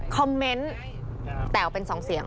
คอมเมนต์แตกเป็น๒เสียง